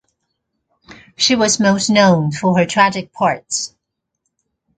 She was most known for her tragic parts.